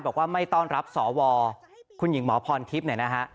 บอกว่าไม่ต้อนรับสวคุณหญิงหมอพรทิพย์เนี่ยนะฮะ